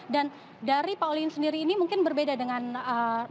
dan dari pak olin sendiri ini mungkin berbeda dengan saya